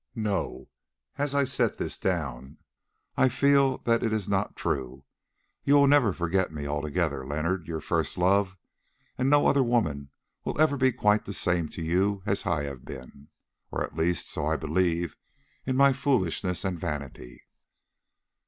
No, as I set this down I feel that it is not true; you will never forget me altogether, Leonard—your first love—and no other woman will ever be quite the same to you as I have been; or, at least, so I believe in my foolishness and vanity.